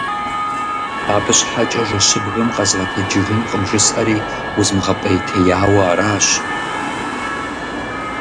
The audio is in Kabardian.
Абы щхьэкӀэ жэщыбгым къэзгъэтэджыжынкъым, жысӀэри узмыгъэпӀейтеяуэ аращ.